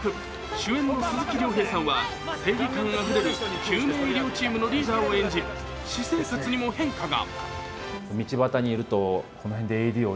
主演の鈴木亮平さんは正義感あふれる救命医療チームのリーダーを演じ私生活にも変化が。